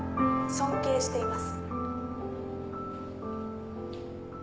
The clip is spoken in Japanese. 尊敬しています。